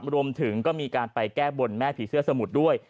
รวมถึงก็มีการไปแก้บนแม่ผีเสื้อสมุทรด้วย